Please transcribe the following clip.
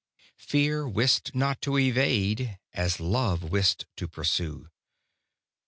Fear wist not to evade as Love wist to pursue.